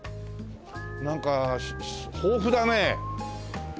なんか豊富だね。